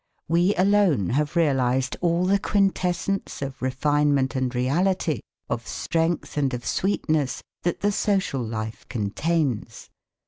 We alone have realised all the quintessence of refinement and reality, of strength and of sweetness, that the social life contains.